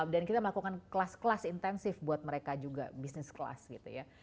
dan kita melakukan kelas kelas intensif buat mereka juga business class gitu ya